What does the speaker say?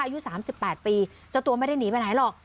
อายุ๓๘ปีเจ้าตัวไม่ได้หนีไปไหนหรอก